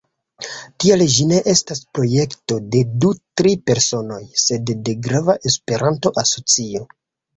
Tiel ĝi ne estas projekto de du-tri personoj, sed de grava Esperanto-asocio.